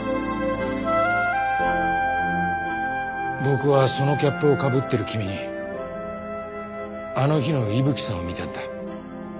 僕はそのキャップをかぶってる君にあの日の伊吹さんを見たんだ。